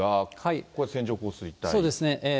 これ、そうですね。